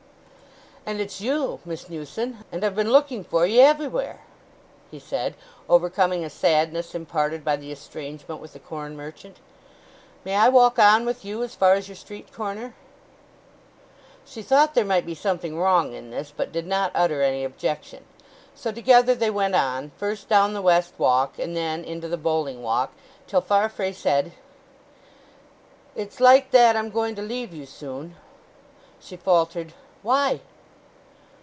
"And it's you, Miss Newson?—and I've been looking for ye everywhere!" he said, overcoming a sadness imparted by the estrangement with the corn merchant. "May I walk on with you as far as your street corner?" She thought there might be something wrong in this, but did not utter any objection. So together they went on, first down the West Walk, and then into the Bowling Walk, till Farfrae said, "It's like that I'm going to leave you soon." She faltered, "Why?"